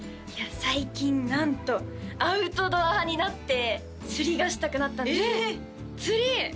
最近なんとアウトドア派になって釣りがしたくなったんですえっ！